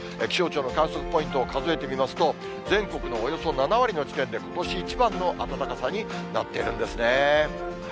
気象庁の観測ポイントを数えてみますと、全国のおよそ７割の地点で、ことし一番の暖かさになっているんですね。